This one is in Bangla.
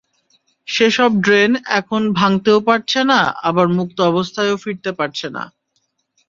সেসব ড্রেন এখন ভাঙতেও পারছে না, আবার মুক্ত অবস্থায়ও ফিরতে পারছে না।